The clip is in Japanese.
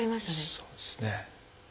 そうですね。